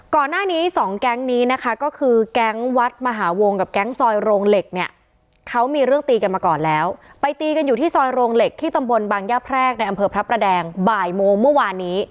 ก่อนหน้านี้สองแก๊งนี้นะคะก็คือแก๊งวัดมหาวงกับแก๊งซอยโรงเหล็กเนี่ยเขามีเรื่องตีกันมาก่อนแล้วไปตีกันอยู่ที่ซอยโรงเหล็กที่ตำบลบางย่าแพรกในอำเภอพระประแดงบ่ายโมงเมื่อวานนี้